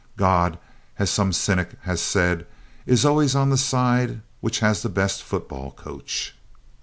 God, as some cynic has said, is always on the side which has the best football coach.